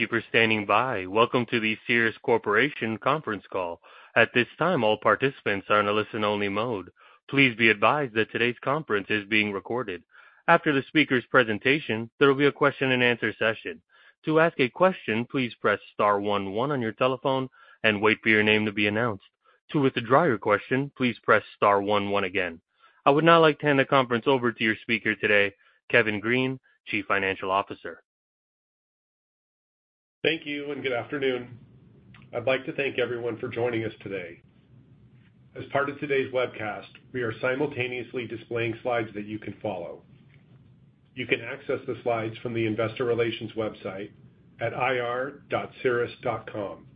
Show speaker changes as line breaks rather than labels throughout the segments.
Operator standing by. Welcome to the Cerus Corporation conference call. At this time, all participants are in a listen-only mode. Please be advised that today's conference is being recorded. After the speaker's presentation, there will be a question-and-answer session. To ask a question, please press star one one on your telephone and wait for your name to be announced. To withdraw your question, please press star one one again. I would now like to hand the conference over to your speaker today, Kevin Green, Chief Financial Officer.
Thank you, and good afternoon. I'd like to thank everyone for joining us today. As part of today's webcast, we are simultaneously displaying slides that you can follow. You can access the slides from the investor relations website at ir.cerus.com.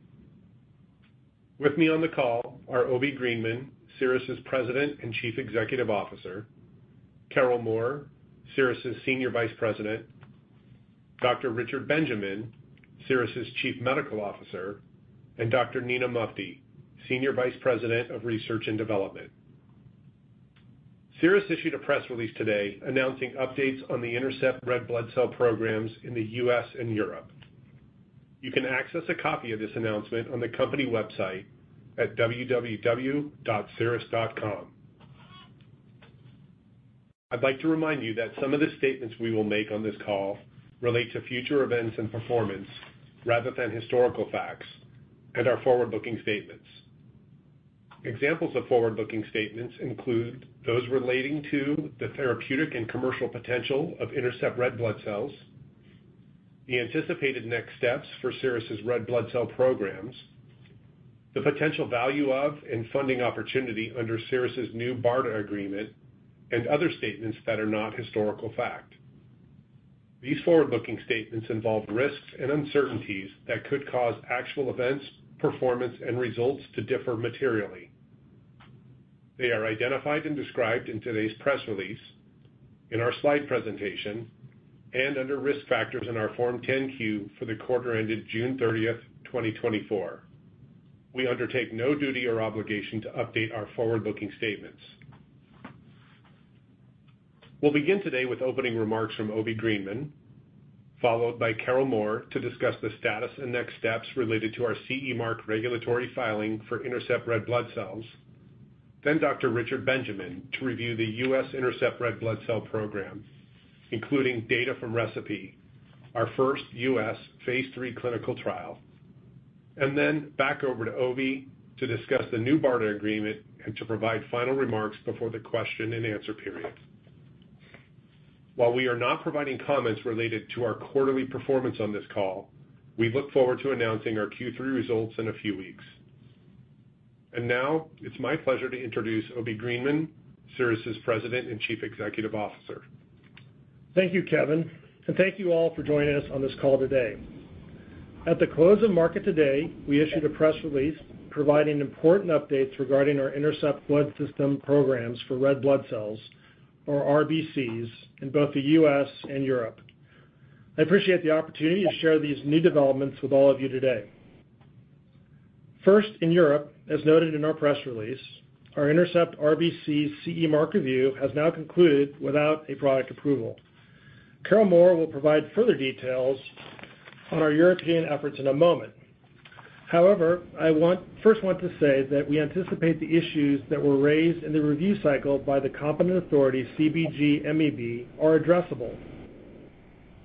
With me on the call are Obi Greenman, Cerus's President and Chief Executive Officer, Carol Moore, Cerus's Senior Vice President, Dr. Richard Benjamin, Cerus's Chief Medical Officer, and Dr. Nina Mufti, Senior Vice President of Research and Development. Cerus issued a press release today announcing updates on the INTERCEPT Red Blood Cell programs in the U.S. and Europe. You can access a copy of this announcement on the company website at www.cerus.com. I'd like to remind you that some of the statements we will make on this call relate to future events and performance, rather than historical facts and are forward-looking statements. Examples of forward-looking statements include those relating to the therapeutic and commercial potential of INTERCEPT Red Blood Cells, the anticipated next steps for Cerus's red blood cell programs, the potential value of and funding opportunity under Cerus's new BARDA agreement, and other statements that are not historical fact. These forward-looking statements involve risks and uncertainties that could cause actual events, performance, and results to differ materially. They are identified and described in today's press release, in our slide presentation, and under Risk Factors in our Form 10-Q for the quarter ended June thirtieth, 2024. We undertake no duty or obligation to update our forward-looking statements. We'll begin today with opening remarks from Obi Greenman, followed by Carol Moore to discuss the status and next steps related to our CE Mark regulatory filing for INTERCEPT Red Blood Cells. Then Dr. Richard Benjamin to review the US INTERCEPT red blood cell program, including data from RECIPE, our first US phase III clinical trial. And then back over to Obi to discuss the new BARDA agreement and to provide final remarks before the question-and-answer period. While we are not providing comments related to our quarterly performance on this call, we look forward to announcing our Q3 results in a few weeks. And now it's my pleasure to introduce Obi Greenman, Cerus's President and Chief Executive Officer.
Thank you, Kevin, and thank you all for joining us on this call today. At the close of market today, we issued a press release providing important updates regarding our INTERCEPT Blood System programs for red blood cells, or RBCs, in both the US and Europe. I appreciate the opportunity to share these new developments with all of you today. First, in Europe, as noted in our press release, our INTERCEPT RBCs' CE Mark review has now concluded without a product approval. Carol Moore will provide further details on our European efforts in a moment. However, I first want to say that we anticipate the issues that were raised in the review cycle by the competent authority, CBG-MEB, are addressable.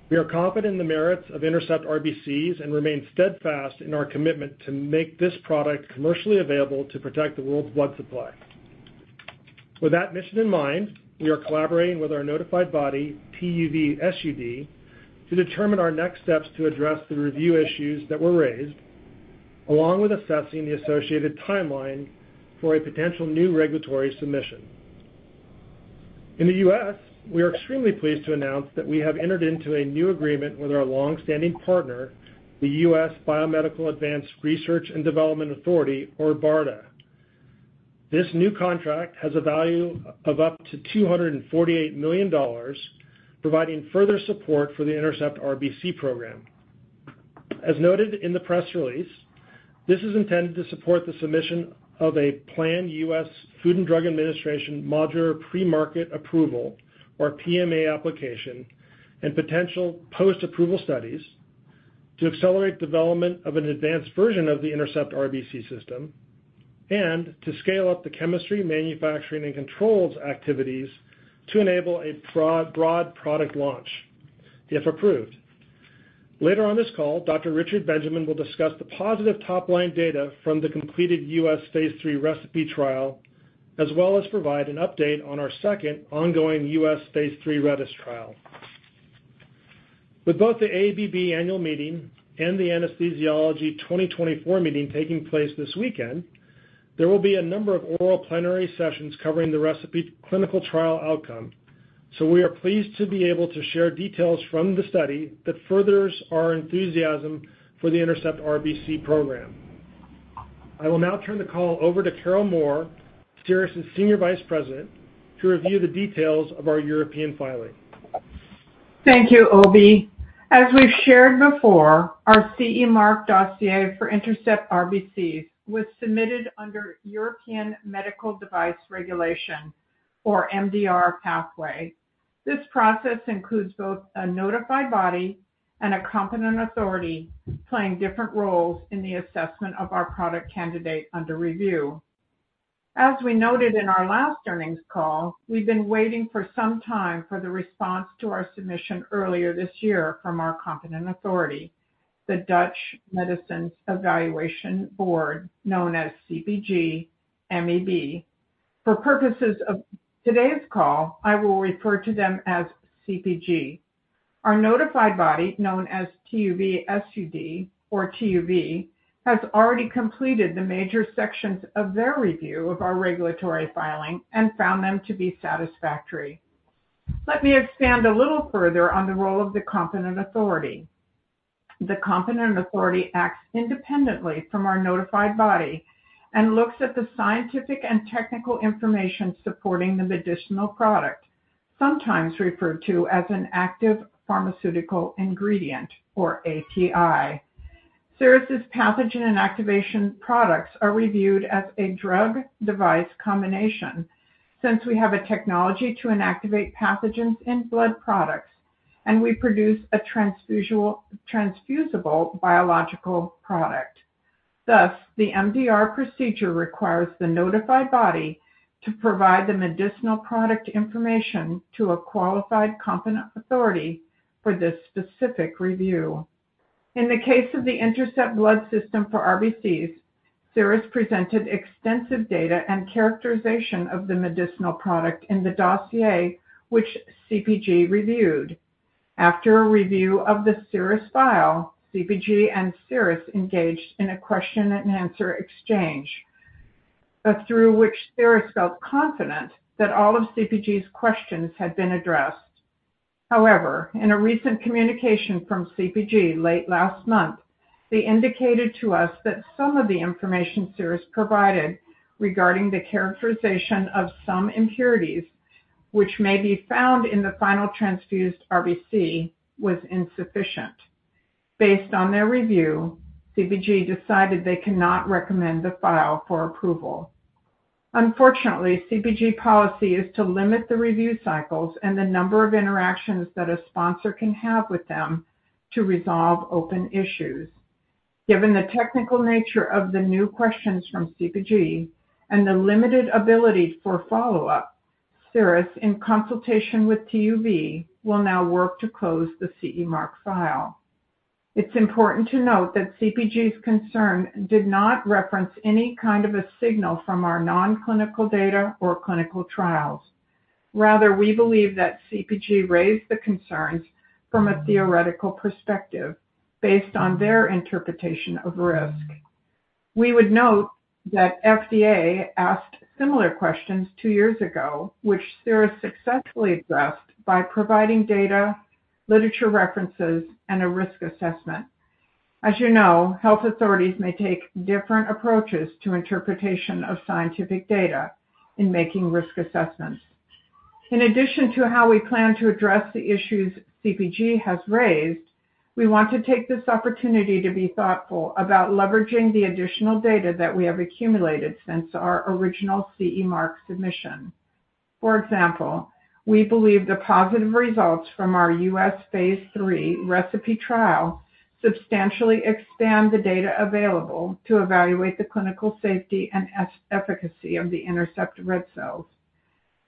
We are confident in the merits of INTERCEPT RBCs and remain steadfast in our commitment to make this product commercially available to protect the world's blood supply. With that mission in mind, we are collaborating with our notified body, TÜV SÜD, to determine our next steps to address the review issues that were raised, along with assessing the associated timeline for a potential new regulatory submission. In the U.S., we are extremely pleased to announce that we have entered into a new agreement with our long-standing partner, the U.S. Biomedical Advanced Research and Development Authority, or BARDA. This new contract has a value of up to $248 million, providing further support for the INTERCEPT RBC program. As noted in the press release, this is intended to support the submission of a planned U.S. Food and Drug Administration Modular Premarket Approval, or PMA, application and potential post-approval studies to accelerate development of an advanced version of the INTERCEPT RBC system and to scale up the chemistry, manufacturing, and controls activities to enable a broad product launch, if approved. Later on this call, Dr. Richard Benjamin will discuss the positive top-line data from the completed U.S. phase III RECIPE trial, as well as provide an update on our second ongoing U.S. phase III REDS trial. With both the AABB annual meeting and the Anesthesiology 2024 meeting taking place this weekend, there will be a number of oral plenary sessions covering the RECIPE clinical trial outcome, so we are pleased to be able to share details from the study that furthers our enthusiasm for the INTERCEPT RBC program. I will now turn the call over to Carol Moore, Cerus's Senior Vice President, to review the details of our European filing.
Thank you, Obi. As we've shared before, our CE Mark dossier for INTERCEPT RBC was submitted under European Medical Device Regulation....
or MDR pathway. This process includes both a notified body and a competent authority playing different roles in the assessment of our product candidate under review. As we noted in our last earnings call, we've been waiting for some time for the response to our submission earlier this year from our competent authority, the Dutch Medicines Evaluation Board, known as CBG-MEB. For purposes of today's call, I will refer to them as CBG. Our notified body, known as TÜV SÜD or TUV, has already completed the major sections of their review of our regulatory filing and found them to be satisfactory. Let me expand a little further on the role of the competent authority. The competent authority acts independently from our notified body and looks at the scientific and technical information supporting the medicinal product, sometimes referred to as an active pharmaceutical ingredient, or API. Cerus' pathogen inactivation products are reviewed as a drug-device combination since we have a technology to inactivate pathogens in blood products, and we produce a transfusable biological product. Thus, the MDR procedure requires the notified body to provide the medicinal product information to a qualified, competent authority for this specific review. In the case of the INTERCEPT Blood System for RBCs, Cerus presented extensive data and characterization of the medicinal product in the dossier, which CBG reviewed. After a review of the Cerus file, CBG and Cerus engaged in a question-and-answer exchange, but through which Cerus felt confident that all of CBG's questions had been addressed. However, in a recent communication from CBG late last month, they indicated to us that some of the information Cerus provided regarding the characterization of some impurities, which may be found in the final transfused RBC, was insufficient. Based on their review, CBG decided they cannot recommend the file for approval. Unfortunately, CBG policy is to limit the review cycles and the number of interactions that a sponsor can have with them to resolve open issues. Given the technical nature of the new questions from CBG and the limited ability for follow-up, Cerus, in consultation with TÜV, will now work to close the CE Mark file. It's important to note that CBG's concern did not reference any kind of a signal from our non-clinical data or clinical trials. Rather, we believe that CBG raised the concerns from a theoretical perspective based on their interpretation of risk. We would note that FDA asked similar questions two years ago, which Cerus successfully addressed by providing data, literature references, and a risk assessment. As you know, health authorities may take different approaches to interpretation of scientific data in making risk assessments. In addition to how we plan to address the issues CBG has raised, we want to take this opportunity to be thoughtful about leveraging the additional data that we have accumulated since our original CE Mark submission. For example, we believe the positive results from our US phase III RECIPE trial substantially expand the data available to evaluate the clinical safety and efficacy of the INTERCEPT red cells.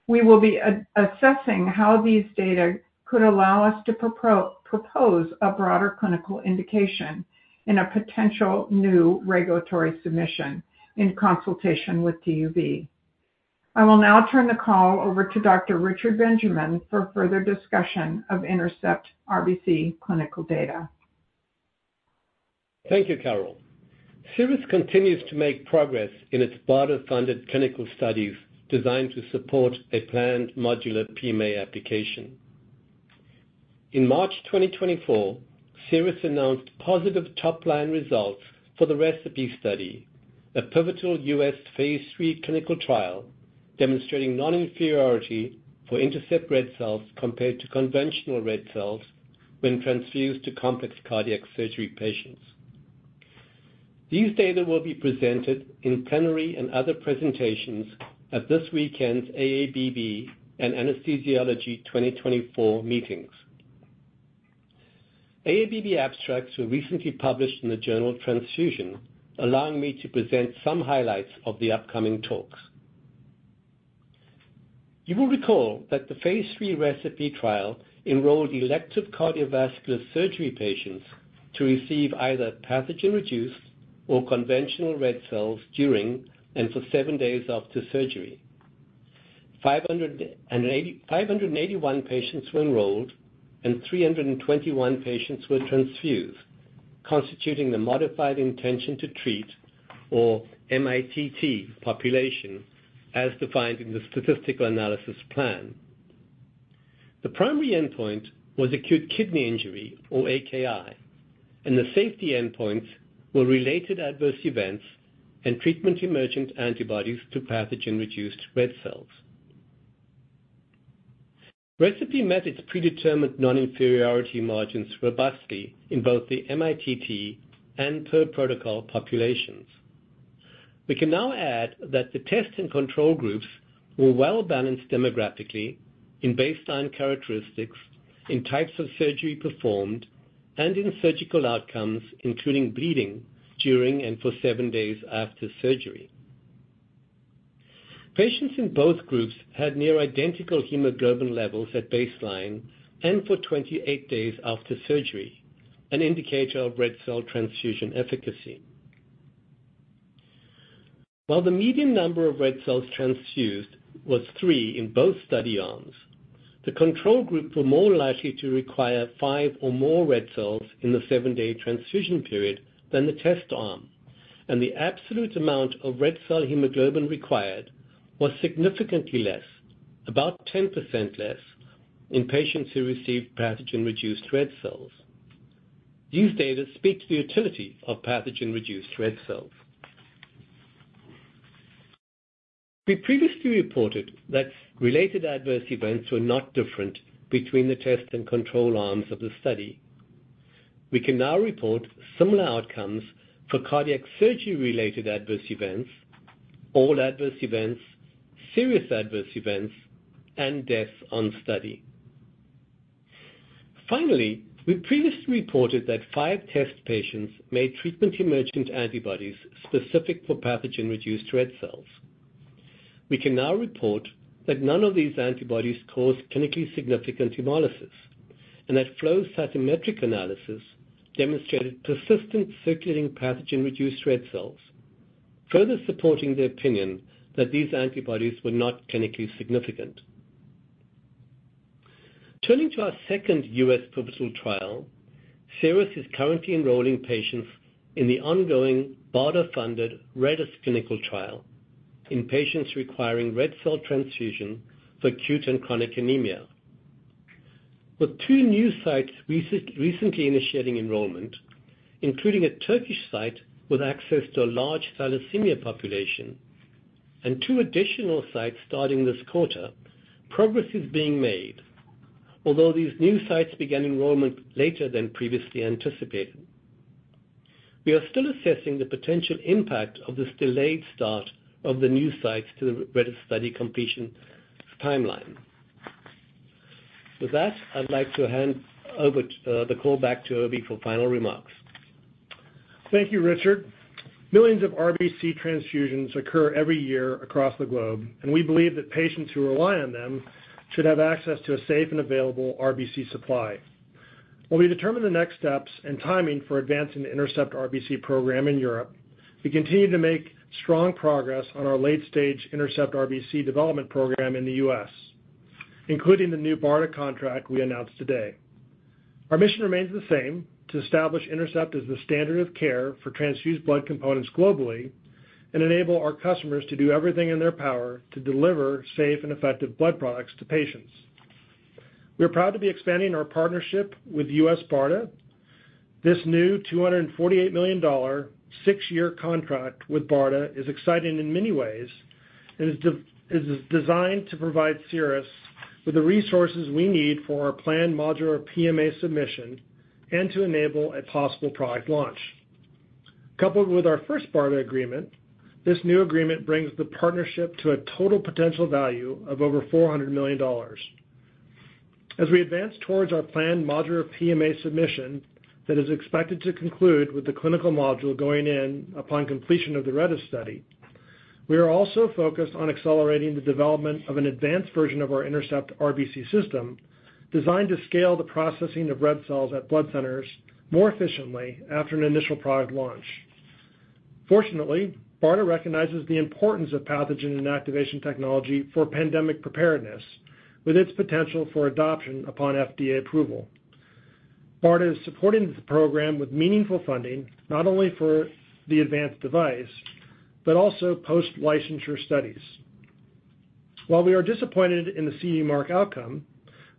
We will be assessing how these data could allow us to propose a broader clinical indication in a potential new regulatory submission in consultation with TUV. I will now turn the call over to Dr. Richard Benjamin for further discussion of INTERCEPT RBC clinical data.
Thank you, Carol. Cerus continues to make progress in its BARDA-funded clinical studies designed to support a planned modular PMA application. In March 2024, Cerus announced positive top-line results for the RECIPE study, a pivotal U.S. phase III clinical trial demonstrating non-inferiority for INTERCEPT red cells compared to conventional red cells when transfused to complex cardiac surgery patients. These data will be presented in plenary and other presentations at this weekend's AABB and Anesthesiology 2024 meetings. AABB abstracts were recently published in the journal Transfusion, allowing me to present some highlights of the upcoming talks. You will recall that the phase III RECIPE trial enrolled elective cardiovascular surgery patients to receive either pathogen-reduced or conventional red cells during and for seven days after surgery. 581 patients were enrolled, and 321 patients were transfused, constituting the modified intention-to-treat, or MITT, population, as defined in the statistical analysis plan. The primary endpoint was acute kidney injury, or AKI, and the safety endpoints were related adverse events and treatment-emergent antibodies to pathogen-reduced red cells. RECIPE met its predetermined non-inferiority margins robustly in both the MITT and per-protocol populations. We can now add that the test and control groups were well-balanced demographically in baseline characteristics, in types of surgery performed, and in surgical outcomes, including bleeding during and for seven days after surgery. Patients in both groups had near identical hemoglobin levels at baseline and for 28 days after surgery, an indicator of red cell transfusion efficacy. While the median number of red cells transfused was three in both study arms, the control group were more likely to require five or more red cells in the seven-day transfusion period than the test arm, and the absolute amount of red cell hemoglobin required was significantly less, about 10% less, in patients who received pathogen-reduced red cells. These data speak to the utility of pathogen-reduced red cells. We previously reported that related adverse events were not different between the test and control arms of the study. We can now report similar outcomes for cardiac surgery-related adverse events, all adverse events, serious adverse events, and deaths on study. Finally, we previously reported that five test patients made treatment-emergent antibodies specific for pathogen-reduced red cells. We can now report that none of these antibodies caused clinically significant hemolysis, and that flow cytometric analysis demonstrated persistent circulating pathogen-reduced red cells, further supporting the opinion that these antibodies were not clinically significant. Turning to our second U.S. pivotal trial, Cerus is currently enrolling patients in the ongoing BARDA-funded REDS clinical trial in patients requiring red cell transfusion for acute and chronic anemia. With two new sites recently initiating enrollment, including a Turkish site with access to a large thalassemia population and two additional sites starting this quarter, progress is being made, although these new sites began enrollment later than previously anticipated. We are still assessing the potential impact of this delayed start of the new sites to the REDS study completion timeline. With that, I'd like to hand over the call back to Obi for final remarks.
Thank you, Richard. Millions of RBC transfusions occur every year across the globe, and we believe that patients who rely on them should have access to a safe and available RBC supply. While we determine the next steps and timing for advancing the INTERCEPT RBC program in Europe, we continue to make strong progress on our late-stage INTERCEPT RBC development program in the U.S., including the new BARDA contract we announced today. Our mission remains the same, to establish INTERCEPT as the standard of care for transfused blood components globally and enable our customers to do everything in their power to deliver safe and effective blood products to patients. We are proud to be expanding our partnership with U.S. BARDA. This new $248 million, six-year contract with BARDA is exciting in many ways and is designed to provide Cerus with the resources we need for our planned modular PMA submission and to enable a possible product launch. Coupled with our first BARDA agreement, this new agreement brings the partnership to a total potential value of over $400 million. As we advance towards our planned modular PMA submission that is expected to conclude with the clinical module going in upon completion of the REDS study, we are also focused on accelerating the development of an advanced version of our INTERCEPT RBC system, designed to scale the processing of red cells at blood centers more efficiently after an initial product launch. Fortunately, BARDA recognizes the importance of pathogen inactivation technology for pandemic preparedness, with its potential for adoption upon FDA approval. BARDA is supporting the program with meaningful funding, not only for the advanced device, but also post-licensure studies. While we are disappointed in the CE Mark outcome,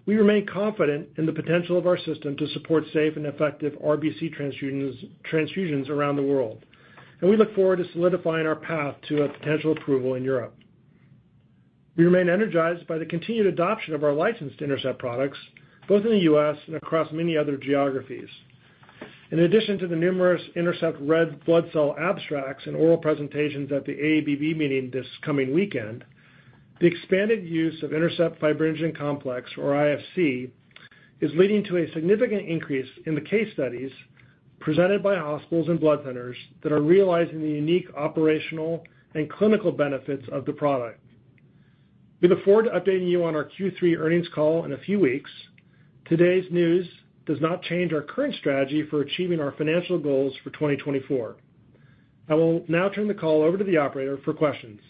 we remain confident in the potential of our system to support safe and effective RBC transfusions, transfusions around the world, and we look forward to solidifying our path to a potential approval in Europe. We remain energized by the continued adoption of our licensed INTERCEPT products, both in the U.S. and across many other geographies. In addition to the numerous INTERCEPT red blood cell abstracts and oral presentations at the AABB meeting this coming weekend, the expanded use of INTERCEPT Fibrinogen Complex, or IFC, is leading to a significant increase in the case studies presented by hospitals and blood centers that are realizing the unique operational and clinical benefits of the product. We look forward to updating you on our Q3 earnings call in a few weeks. Today's news does not change our current strategy for achieving our financial goals for 2024. I will now turn the call over to the operator for questions.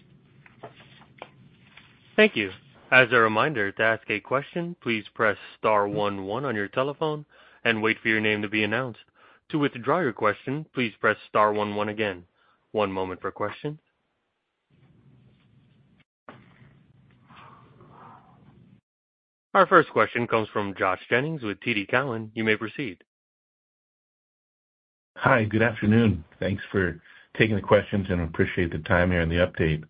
Thank you. As a reminder, to ask a question, please press star one one on your telephone and wait for your name to be announced. To withdraw your question, please press star one one again. One moment for questions. Our first question comes from Josh Jennings with TD Cowen. You may proceed.
Hi, good afternoon. Thanks for taking the questions, and appreciate the time here and the update.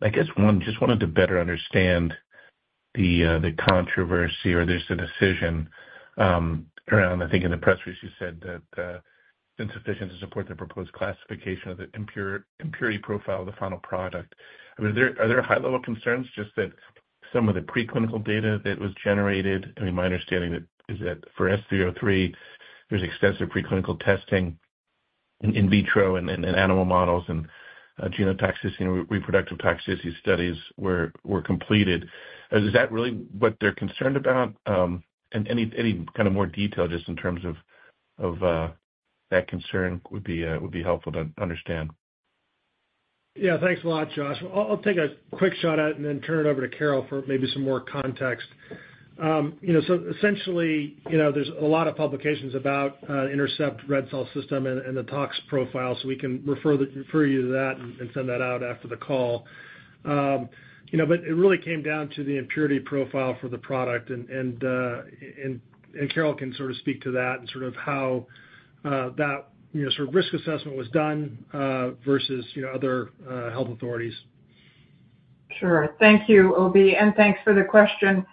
I guess one, just wanted to better understand the controversy or there's a decision around. I think in the press release, you said that insufficient to support the proposed classification of the impurity profile of the final product. I mean, are there high-level concerns just that some of the preclinical data that was generated? I mean, my understanding is that for S303, there's extensive preclinical testing in vitro and animal models, and genotoxicity and reproductive toxicity studies were completed. Is that really what they're concerned about? And any kind of more detail just in terms of that concern would be helpful to understand.
Yeah, thanks a lot, Josh. I'll take a quick shot at it and then turn it over to Carol for maybe some more context. You know, so essentially, you know, there's a lot of publications about INTERCEPT Red Cell system and the tox profile, so we can refer you to that and send that out after the call. You know, but it really came down to the impurity profile for the product, and Carol can sort of speak to that and sort of how that, you know, sort of risk assessment was done versus other health authorities.
Sure. Thank you, OB, and thanks for the question.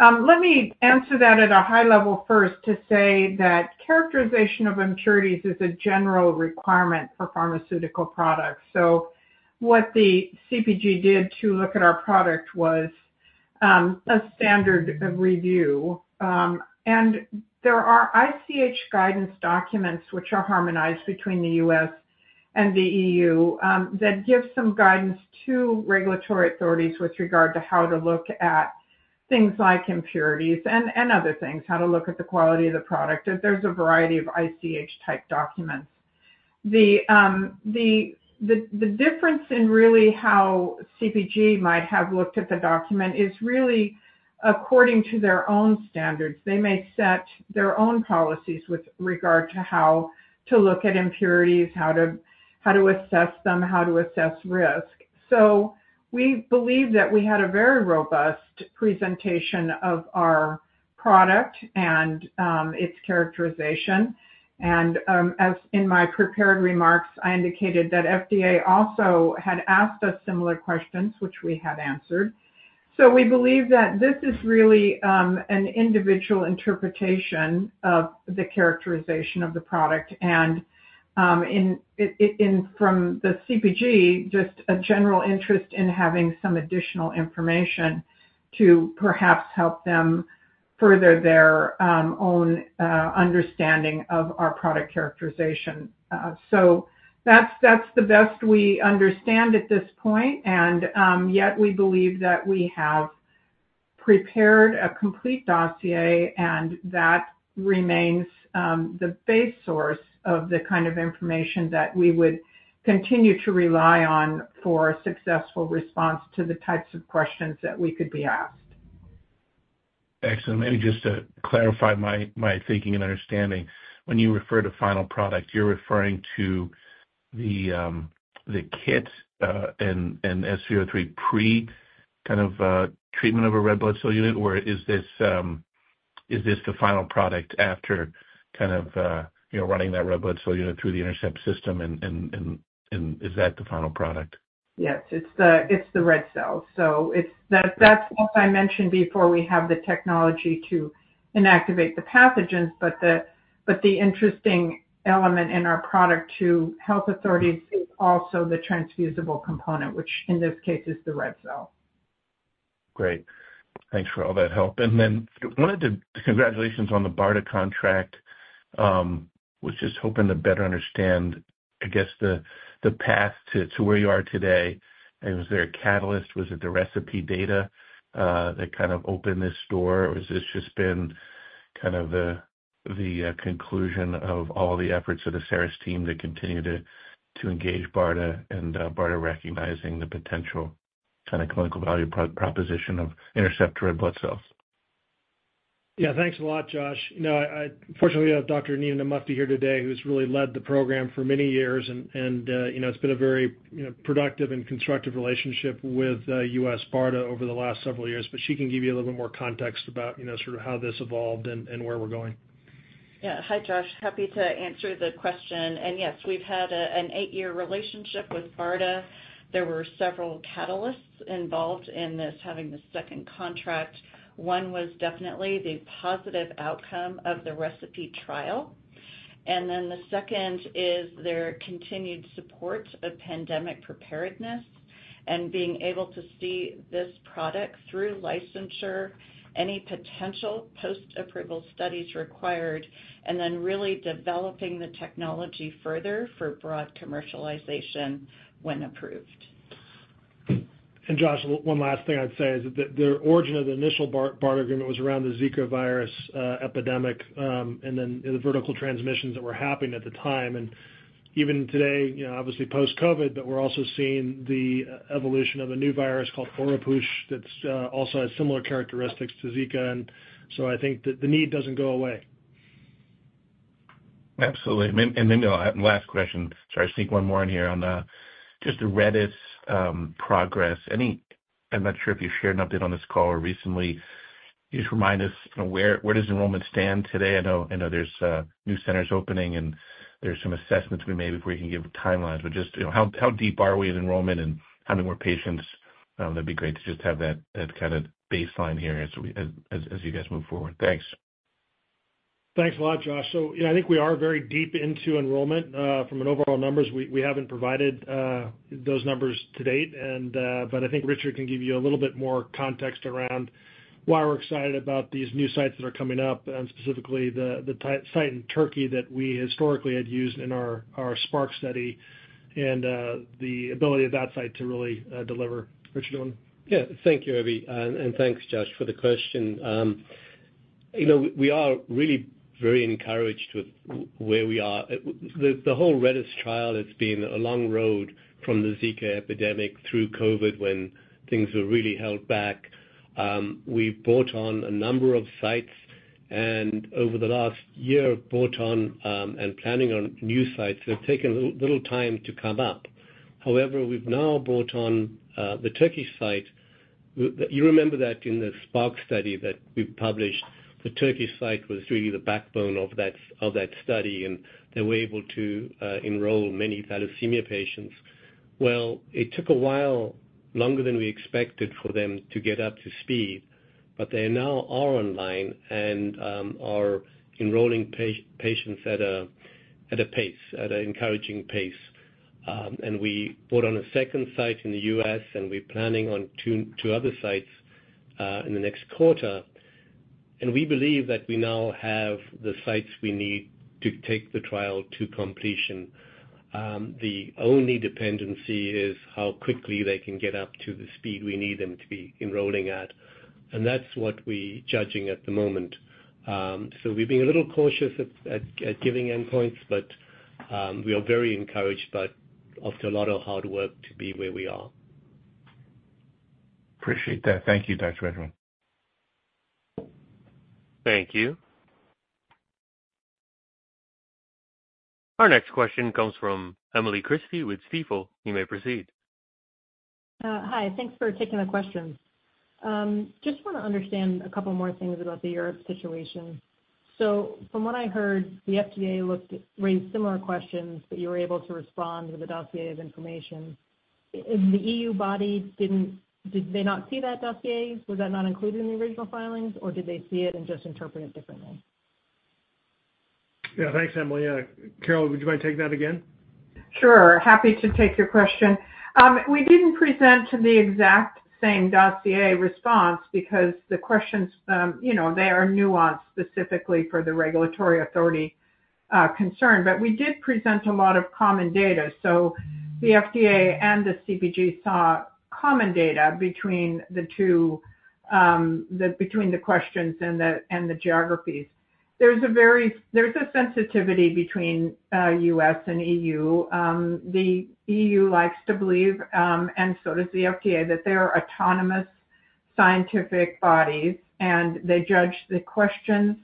Let me answer that at a high level first to say that characterization of impurities is a general requirement for pharmaceutical products. So what the CBG did to look at our product was a standard of review, and there are ICH guidance documents, which are harmonized between the US and the EU, that give some guidance to regulatory authorities with regard to how to look at things like impurities and other things, how to look at the quality of the product. There's a variety of ICH-type documents. The difference in really how CBG might have looked at the document is really according to their own standards. They may set their own policies with regard to how to look at impurities, how to assess them, how to assess risk. So we believe that we had a very robust presentation of our product and its characterization. And as in my prepared remarks, I indicated that FDA also had asked us similar questions, which we had answered. So we believe that this is really an individual interpretation of the characterization of the product, and from the CBPG, just a general interest in having some additional information to perhaps help them further their own understanding of our product characterization. So that's the best we understand at this point, and yet we believe that we have prepared a complete dossier, and that remains the base source of the kind of information that we would continue to rely on for a successful response to the types of questions that we could be asked.
Excellent. Maybe just to clarify my thinking and understanding, when you refer to final product, you're referring to the kit and S303 pre kind of treatment of a red blood cell unit? Or is this the final product after kind of you know running that red blood cell unit through the INTERCEPT system and is that the final product?
Yes, it's the red cells. So that's, as I mentioned before, we have the technology to inactivate the pathogens, but the interesting element in our product to health authorities is also the transfusible component, which in this case is the red cell.
Great. Thanks for all that help. And then wanted to congratulate on the BARDA contract. Was just hoping to better understand, I guess, the path to where you are today. And was there a catalyst? Was it the RECIPE data that kind of opened this door? Or has this just been kind of the conclusion of all the efforts of the Cerus team to continue to engage BARDA and BARDA recognizing the potential kind of clinical value proposition of INTERCEPT red blood cells?
Yeah, thanks a lot, Josh. You know, I fortunately have Dr. Nina Mufti here today, who's really led the program for many years, you know, it's been a very, you know, productive and constructive relationship with U.S. BARDA over the last several years. But she can give you a little bit more context about, you know, sort of how this evolved and where we're going.
Yeah. Hi, Josh. Happy to answer the question. And yes, we've had an eight-year relationship with BARDA. There were several catalysts involved in this, having the second contract. One was definitely the positive outcome of the recipe trial, and then the second is their continued support of pandemic preparedness and being able to see this product through licensure, any potential post-approval studies required, and then really developing the technology further for broad commercialization when approved.
And Josh, one last thing I'd say is that the origin of the initial BARDA agreement was around the Zika virus epidemic, and then the vertical transmissions that were happening at the time. And even today, you know, obviously post-COVID, but we're also seeing the evolution of a new virus called Oropouche that's also has similar characteristics to Zika, and so I think that the need doesn't go away.
Absolutely. And then the last question, sorry, sneak one more in here on the just the REDS progress. I'm not sure if you've shared an update on this call or recently. Can you just remind us where does enrollment stand today? I know there's new centers opening, and there's some assessments to be made before you can give timelines, but just, you know, how deep are we in enrollment and how many more patients? That'd be great to just have that kind of baseline here as you guys move forward. Thanks.
Thanks a lot, Josh. So, yeah, I think we are very deep into enrollment. From an overall numbers, we haven't provided those numbers to date. But I think Richard can give you a little bit more context around why we're excited about these new sites that are coming up, and specifically the site in Turkey that we historically had used in our SPARC study, and the ability of that site to really deliver. Richard, do you want to?
Yeah. Thank you, Obi, and thanks, Josh, for the question. You know, we are really very encouraged with where we are. It, the whole REDS trial has been a long road from the Zika epidemic through COVID, when things were really held back. We've brought on a number of sites, and over the last year, brought on, and planning on new sites. They've taken a little time to come up. However, we've now brought on the Turkey site. You remember that in the SPARC study that we published, the Turkey site was really the backbone of that study, and they were able to enroll many thalassemia patients. It took a while, longer than we expected, for them to get up to speed, but they now are online and are enrolling patients at a pace, at an encouraging pace. We brought on a second site in the US, and we're planning on two other sites in the next quarter. We believe that we now have the sites we need to take the trial to completion. The only dependency is how quickly they can get up to the speed we need them to be enrolling at, and that's what we're judging at the moment. We're being a little cautious at giving endpoints, but we are very encouraged by after a lot of hard work to be where we are.
Appreciate that. Thank you, Drs. Edwin.
Thank you. Our next question comes from Emily Christie with Stifel. You may proceed.
Hi, thanks for taking the questions. Just want to understand a couple more things about the Europe situation. So from what I heard, the FDA looked, raised similar questions, but you were able to respond with a dossier of information. And the EU body didn't- did they not see that dossier? Was that not included in the original filings, or did they see it and just interpret it differently?
Yeah, thanks, Emily. Carol, would you mind taking that again?
Sure, happy to take your question. We didn't present the exact same dossier response because the questions, you know, they are nuanced specifically for the regulatory authority concern. But we did present a lot of common data. So the FDA and the CBG saw common data between the two, between the questions and the geographies. There's a sensitivity between US and EU. The EU likes to believe, and so does the FDA, that they're autonomous scientific bodies, and they judge the questions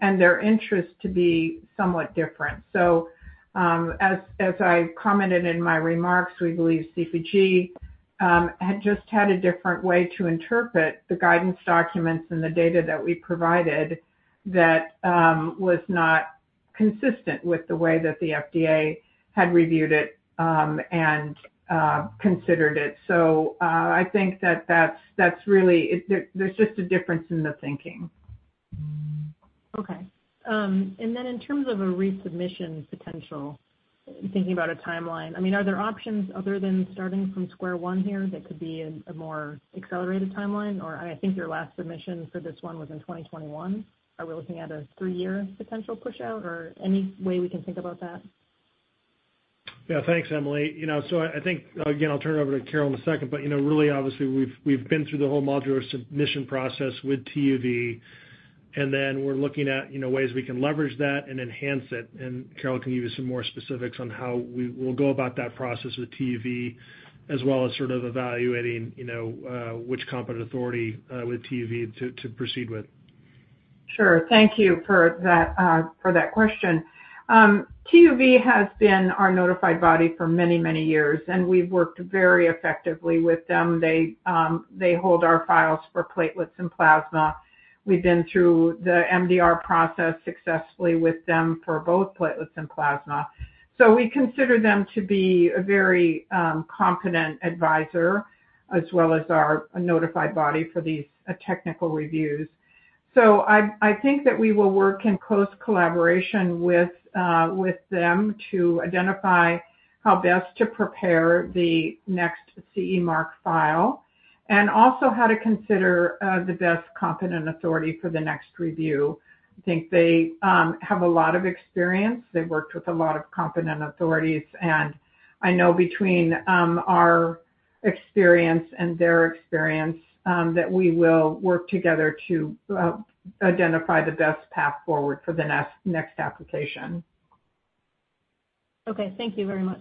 and their interests to be somewhat different. So, as I commented in my remarks, we believe CBG had just had a different way to interpret the guidance documents and the data that we provided that was not consistent with the way that the FDA had reviewed it and considered it. So, I think that that's really it. There's just a difference in the thinking.
Okay. And then in terms of a resubmission potential, thinking about a timeline, I mean, are there options other than starting from square one here that could be a more accelerated timeline? Or I think your last submission for this one was in 2021. Are we looking at a three-year potential pushout or any way we can think about that?
Yeah. Thanks, Emily. You know, so I think, again, I'll turn it over to Carol in a second, but, you know, really, obviously, we've been through the whole modular submission process with TÜV SÜD, and then we're looking at, you know, ways we can leverage that and enhance it. And Carol can give you some more specifics on how we will go about that process with TÜV SÜD, as well as sort of evaluating, you know, which competent authority with TÜV SÜD to proceed with.
Sure. Thank you for that question. TÜV SÜD has been our notified body for many, many years, and we've worked very effectively with them. They hold our files for platelets and plasma. We've been through the MDR process successfully with them for both platelets and plasma. So we consider them to be a very competent advisor, as well as our notified body for these technical reviews. So I think that we will work in close collaboration with them to identify how best to prepare the next CE Mark file, and also how to consider the best competent authority for the next review. I think they have a lot of experience. They've worked with a lot of competent authorities, and I know between our experience and their experience that we will work together to identify the best path forward for the next application.
Okay. Thank you very much.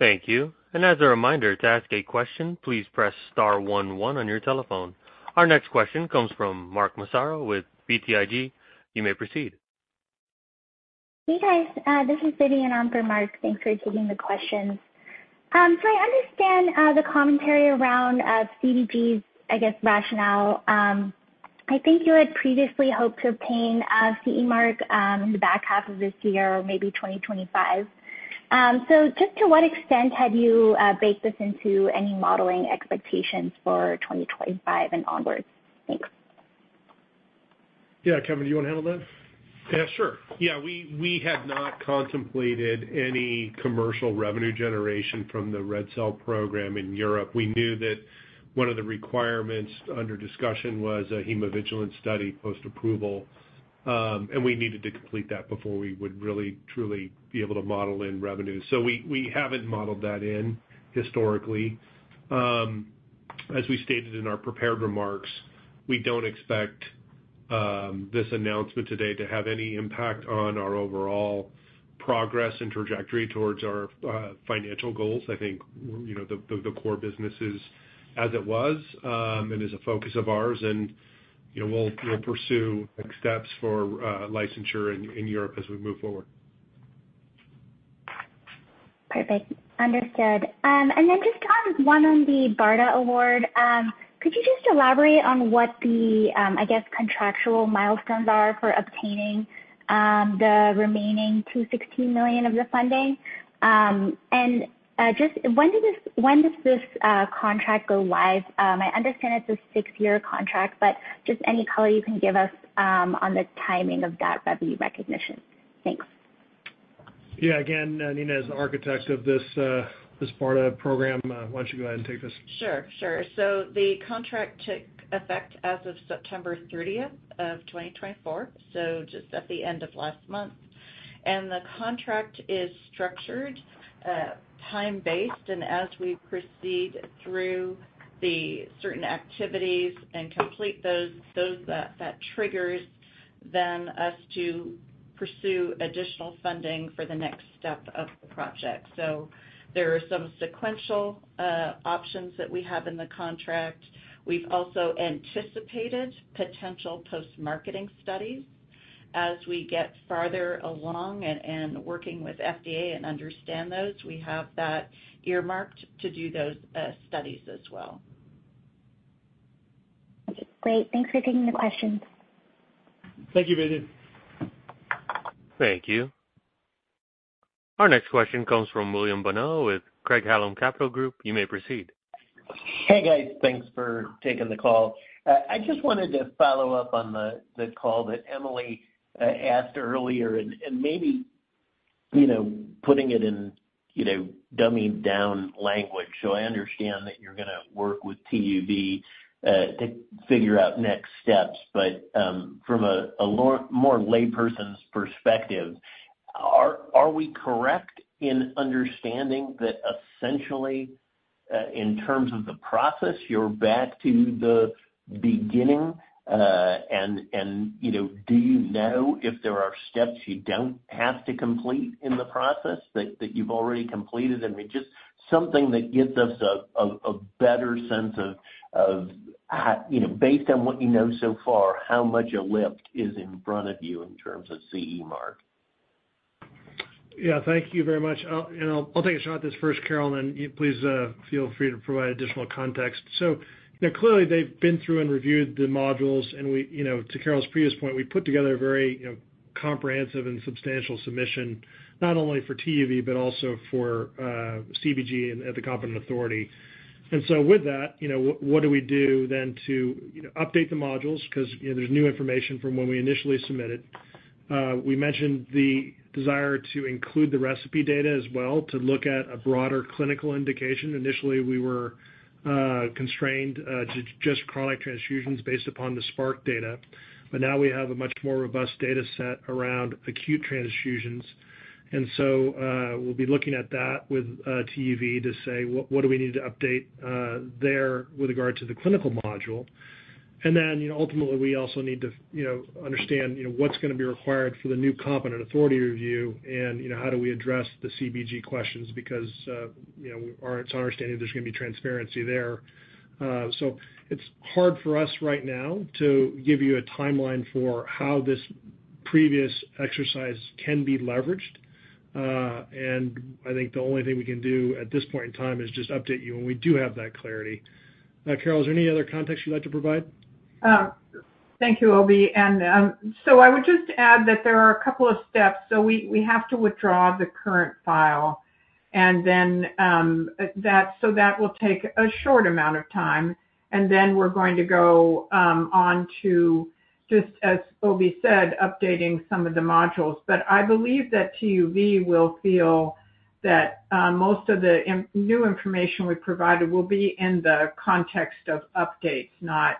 Thank you. And as a reminder, to ask a question, please press star one one on your telephone. Our next question comes from Mark Massaro with BTIG. You may proceed.
Hey, guys. This is Vivian on for Mark. Thanks for taking the questions. So I understand the commentary around CBG's, I guess, rationale. I think you had previously hoped to obtain a CE Mark in the back half of this year or maybe twenty twenty-five. So just to what extent have you baked this into any modeling expectations for twenty twenty-five and onwards? Thanks.
Yeah, Kevin, do you wanna handle that? Yeah, sure. Yeah, we had not contemplated any commercial revenue generation from the red cell program in Europe. We knew that one of the requirements under discussion was a hemovigilance study post-approval, and we needed to complete that before we would really, truly be able to model in revenue. So we haven't modeled that in historically. As we stated in our prepared remarks, we don't expect this announcement today to have any impact on our overall progress and trajectory towards our financial goals. I think, you know, the core business is as it was, and is a focus of ours, and, you know, we'll pursue next steps for licensure in Europe as we move forward.
Perfect. Understood. And then just one on the BARDA award, could you just elaborate on what the, I guess, contractual milestones are for obtaining the remaining $216 million of the funding? And just when does this contract go live? I understand it's a six-year contract, but just any color you can give us on the timing of that revenue recognition. Thanks.
Yeah. Again, Nina, as the architect of this BARDA program, why don't you go ahead and take this?
Sure, sure. So the contract took effect as of September thirtieth of 2024, so just at the end of last month. And the contract is structured time-based, and as we proceed through the certain activities and complete those, that triggers then us to pursue additional funding for the next step of the project. So there are some sequential options that we have in the contract. We've also anticipated potential post-marketing studies. As we get farther along and working with FDA and understand those, we have that earmarked to do those studies as well.
Great. Thanks for taking the questions.
Thank you, Vivian.
Thank you. Our next question comes from William Bonello with Craig-Hallum Capital Group. You may proceed.
Hey, guys. Thanks for taking the call. I just wanted to follow up on the call that Emily asked earlier, and maybe, you know, putting it in, you know, dumbing down language. So I understand that you're gonna work with TÜV to figure out next steps. But from a more layperson's perspective, are we correct in understanding that essentially in terms of the process, you're back to the beginning? And you know, do you know if there are steps you don't have to complete in the process that you've already completed? I mean, just something that gives us a better sense of how... You know, based on what you know so far, how much a lift is in front of you in terms of CE Mark?
Yeah, thank you very much. I'll, you know, I'll take a shot at this first, Carol, and then you please, feel free to provide additional context. So, you know, clearly, they've been through and reviewed the modules, and we, you know, to Carol's previous point, we put together a very, you know, comprehensive and substantial submission, not only for TUV, but also for CBG and at the competent authority. And so with that, you know, what, what do we do then to, you know, update the modules? Because, you know, there's new information from when we initially submitted. We mentioned the desire to include the RECIPE data as well, to look at a broader clinical indication. Initially, we were constrained to just chronic transfusions based upon the SPARC data. But now we have a much more robust data set around acute transfusions, and so, we'll be looking at that with TÜV to say, "What do we need to update there with regard to the clinical module?" And then, you know, ultimately, we also need to, you know, understand, you know, what's gonna be required for the new competent authority review, and, you know, how do we address the CBG questions? Because, you know, our... It's our understanding there's gonna be transparency there. So it's hard for us right now to give you a timeline for how this previous exercise can be leveraged. And I think the only thing we can do at this point in time is just update you when we do have that clarity. Carol, is there any other context you'd like to provide?
Thank you, OB. And so I would just add that there are a couple of steps. So we have to withdraw the current file, and then that will take a short amount of time. And then we're going to go on to, just as OB said, updating some of the modules. But I believe that TÜV will feel that most of the new information we've provided will be in the context of updates, not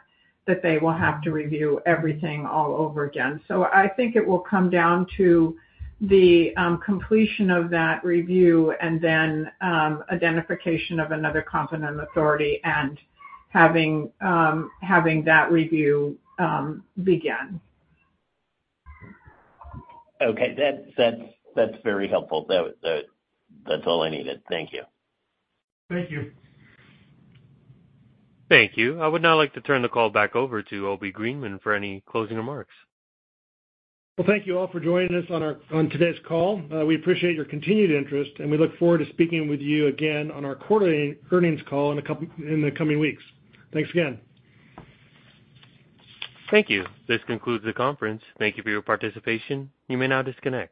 that they will have to review everything all over again. So I think it will come down to the completion of that review, and then identification of another competent authority and having that review begin.
Okay. That's very helpful. That's all I needed. Thank you.
Thank you.
Thank you. I would now like to turn the call back over to Obi Greenman for any closing remarks.
Thank you all for joining us on today's call. We appreciate your continued interest, and we look forward to speaking with you again on our quarterly earnings call in the coming weeks. Thanks again.
Thank you. This concludes the conference. Thank you for your participation. You may now disconnect.